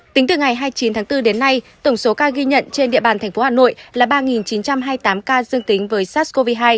tính từ ngày hai mươi chín tháng bốn đến nay tổng số ca ghi nhận trên địa bàn thành phố hà nội là ba chín trăm hai mươi tám ca dương tính với sars cov hai